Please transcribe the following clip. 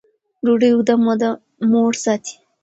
ډوډۍ اوږده موده موړ ساتي.